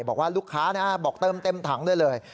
บอกว่าลูกค้าบอกเติมเต็มถังได้เลย